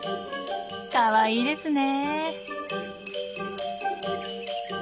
かわいいですねえ。